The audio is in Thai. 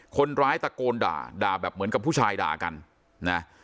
คนร้ายตะโกนด่าด่าแบบเหมือนกับผู้ชายด่ากันนะ